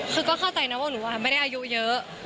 คือก็เข้าใจนะว่าหนูไม่ได้อายุเยอะ